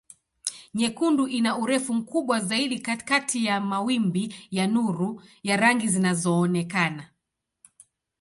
Nyekundu ina urefu mkubwa zaidi kati ya mawimbi ya nuru ya rangi zinazoonekana.